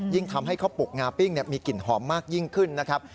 ยิ่งทำให้ข้าวปลูกงาปิ้งมีกลิ่นหอมมากยิ่งขึ้นนะครับ